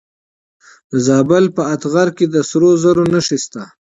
د زابل په اتغر کې د سرو زرو نښې شته.